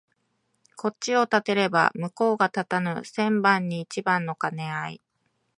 こっちを立てれば向こうが立たぬ千番に一番の兼合い